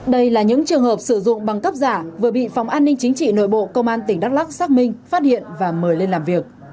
đây là những trường hợp sử dụng băng cấp giả vừa bị phòng an ninh chính trị nội bộ công an tỉnh đắk lắc xác minh phát hiện và mời lên làm việc